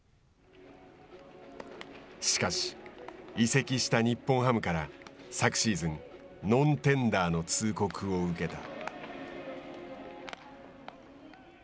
しかし、移籍した日本ハムから昨シーズン、ノンテンダーの通告を受けた。